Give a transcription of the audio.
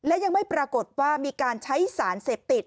และยังไม่ปรากฏว่ามีการใช้สารเสพติด